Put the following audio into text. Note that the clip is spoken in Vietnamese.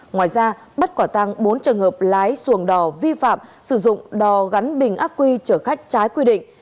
ngoài ra bắt quả tăng bốn trường hợp lái xuồng đò vi phạm sử dụng đò gắn bình ác quy chở khách trái quy định